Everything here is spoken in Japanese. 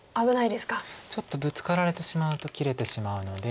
ちょっとブツカられてしまうと切れてしまうので。